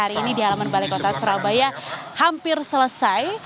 hari ini di halaman balai kota surabaya hampir selesai